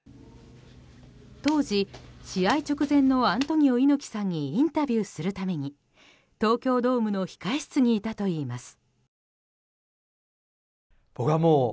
当時、試合直前のアントニオ猪木さんにインタビューするために東京ドームの控え室にいたといいます。